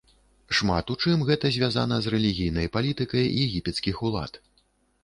Шмат у чым гэта звязана з рэлігійнай палітыкай егіпецкіх улад.